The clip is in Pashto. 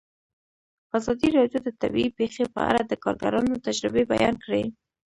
ازادي راډیو د طبیعي پېښې په اړه د کارګرانو تجربې بیان کړي.